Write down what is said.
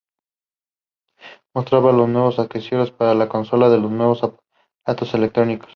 Mostraban los nuevos accesorios para las consolas o los nuevos aparatos electrónicos.